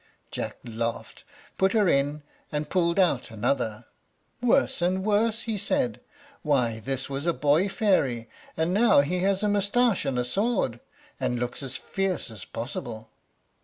Jack laughed, put her in, and pulled out another. "Worse and worse," he said; "why, this was a boy fairy, and now he has a mustache and a sword, and looks as fierce as possible!"